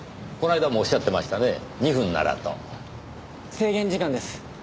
制限時間です。